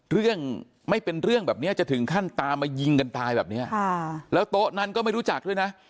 เรื่องไม่เป็นเรื่องแบบนี้จะถึงขั้นตามมายิงกันตายแบบเนี้ยค่ะแล้วโต๊ะนั้นก็ไม่รู้จักด้วยนะ